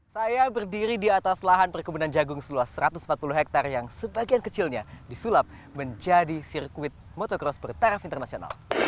saya berdiri di atas lahan perkebunan jagung seluas satu ratus empat puluh hektare yang sebagian kecilnya disulap menjadi sirkuit motocross bertaraf internasional